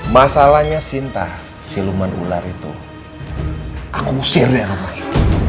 masalahnya sinta siluman ular itu aku usir dari rumah ini